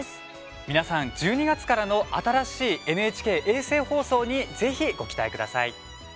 皆さん、１２月からの新しいＮＨＫ衛星放送にぜひ、ご期待ください。